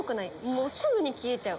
もうすぐに消えちゃう。